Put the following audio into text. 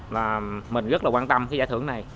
là mình rất là quan tâm cái giải thưởng này